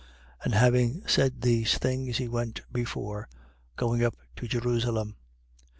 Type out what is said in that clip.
19:28. And having said these things, he went before, going up to Jerusalem.